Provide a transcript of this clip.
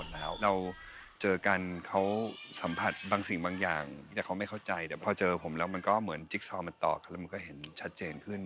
แล้วมันก็เห็นชัดเจนขึ้น